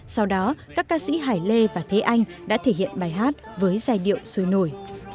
sau đó các ca sĩ hải lê và thế anh đã thể hiện bài hát với giai điệu sôi nổi